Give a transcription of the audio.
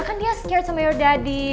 kan dia scared sama your daddy